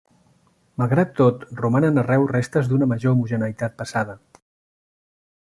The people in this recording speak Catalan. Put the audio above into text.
Malgrat tot, romanen arreu restes d'una major homogeneïtat passada.